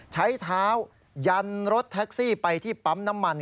ใช้เท้ายันรถแท็กซี่ไปที่ปั๊มน้ำมัน